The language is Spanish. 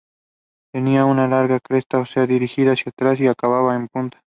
Tenía una larga cresta ósea dirigida hacia atrás y acabada en punta.